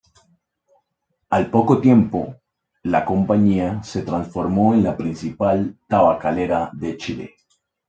Al poco tiempo, la Compañía se transformó en la principal tabacalera de Chile.